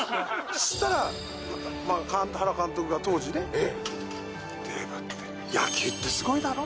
そしたら、原監督が、当時ね、デーブってね、野球ってすごいだろ？